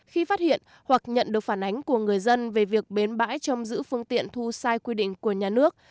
khi phát hiện hoặc nhận được phản ánh của người dân về việc bến bãi trong giữ phương tiện thu sai quy định của nhà nước